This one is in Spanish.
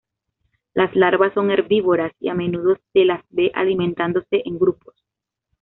Las larvas son herbívoras y a menudo se las ve alimentándose en grupos.